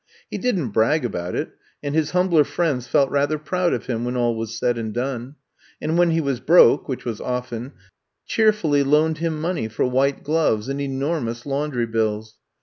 He didn't brag about it and his humbler friends felt rather proud of him when all was said and done; and when he was broke, which was often, cheer fully loaned him money for white gloves I'VE COME TO STAY 11 and enormous laundry bills.